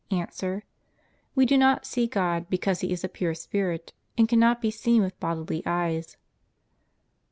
A. We do not see God, because He is a pure spirit and cannot be seen with bodily eyes.